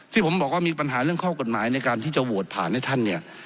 ที่ผมบอกว่ามีปัญหาเรื่องข้อกฎหมายในการที่จะโหวตผ่านให้ท่านเนี่ย